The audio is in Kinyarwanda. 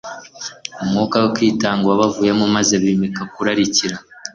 umwuka wo kwitanga wabavuyemo maze bimika kurarikira